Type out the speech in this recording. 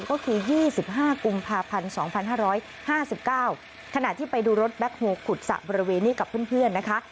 ก็คือ๒๕กุมภาพันธ์๒๕๕๙ขณะที่ไปดูรถแบ็คโฮลขุดสระบริเวณนี้กับเพื่อนนะคะ